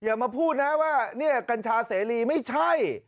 อย่ามาพูดนะว่าเนี่ยกัญชาเสรีไม่ใช่